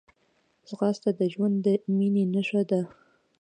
ځغاسته د ژوند د مینې نښه ده